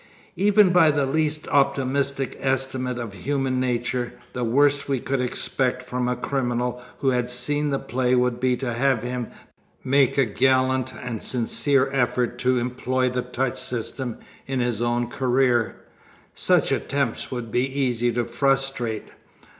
Even by the least optimistic estimate of human nature, the worst we could expect from a criminal who had seen the play would be to have him make a gallant and sincere effort to employ the touch system in his own career. Such attempts would be easy to frustrate.